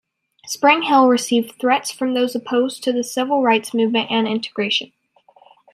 Spring Hill received threats from those opposed to the civil rights movement and integration.